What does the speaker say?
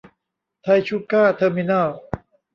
ไทยชูการ์ เทอร์มิเนิ้ล